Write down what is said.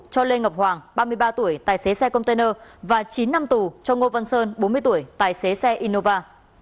cho lê ngọc hoàng ba mươi ba tuổi tài xế xe container và chín năm tù cho ngô văn sơn bốn mươi tuổi tài xế xe innova